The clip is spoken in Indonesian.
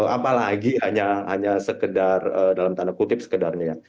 apalagi hanya sekedar dalam tanda kutip sekedarnya ya